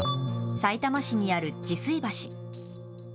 さいたま市にある治水橋。